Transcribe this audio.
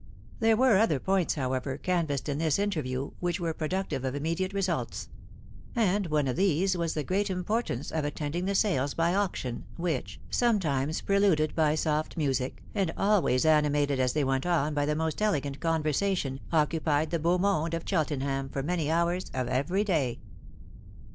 There were other points, however, canvassed in this interview, which, were pro ductive of immediate results ; and one of these was the pen importance of attending the sales by auction, which, Bometuna preluded by soft music, and always animated as they went on by the most elegant conversation, occupied the beau monie of Cheltenham for many hours of every day.